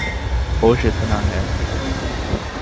ہوش اتنا ہے